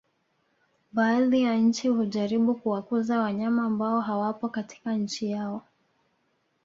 Baadhi ya nchi hujaribu kuwakuza wanyama ambao hawapo katika nchi yao